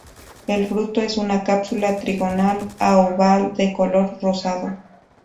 El fruto es una cápsula trigonal a oval, de color rosado.